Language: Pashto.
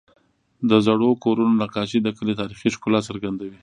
د زړو کورونو نقاشې د کلي تاریخي ښکلا څرګندوي.